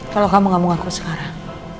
kalau kamu gak mau ngaku sekarang